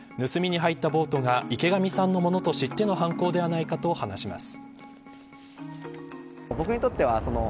盗みに入ったボートが池上さんのものと知っての犯行ではないかと話します。